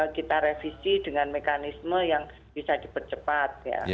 kita revisi dengan mekanisme yang bisa dipercepat